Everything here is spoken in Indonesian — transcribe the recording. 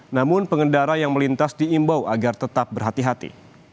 namun pengendara yang melintas diimbau agar tetap berhati hati